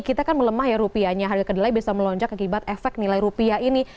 kita kan melemah ya rupiahnya harga kedelai bisa melonjak akibat efek nilai rupiah ini